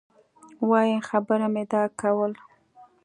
وایم خبره مي دا کول